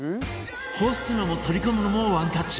干すのも取り込むのもワンタッチ！